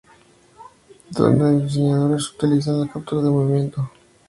Donde los diseñadores utilizan la captura de movimiento para conseguir realismo en la caracterización.